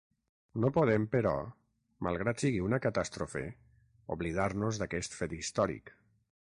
No podem, però, malgrat sigui una catàstrofe, oblidar-nos d'aquest fet històric.